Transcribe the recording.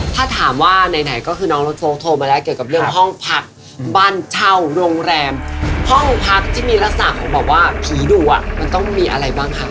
ถ้าถามว่าไหนก็คือน้องรถโฟลกโทรมาแล้วเกี่ยวกับเรื่องห้องพักบ้านเช่าโรงแรมห้องพักที่มีลักษณะของแบบว่าผีดุอ่ะมันต้องมีอะไรบ้างคะ